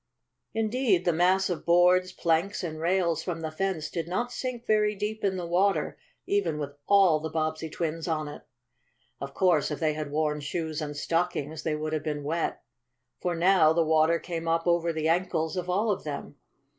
Indeed the mass of boards, planks and rails from the fence did not sink very deep in the water even with all the Bobbsey twins on it. Of course, if they had worn shoes and stockings they would have been wet, for now the water came up over the ankles of all of them.